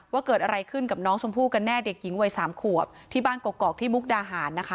ว่าเกิดอะไรขึ้นกับน้องชมพู่กันแน่เด็กหญิงวัยสามขวบที่บ้านกอกที่มุกดาหารนะคะ